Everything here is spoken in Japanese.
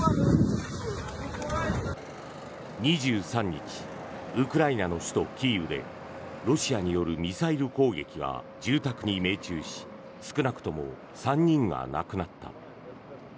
２３日ウクライナの首都キーウでロシアによるミサイル攻撃が住宅に命中し少なくとも３人が亡くなった。